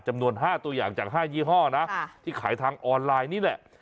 จำนวน๕ตัวอย่างจาก๕ยี่ห้อนะที่ขายทางออนไลน์นี่แหละ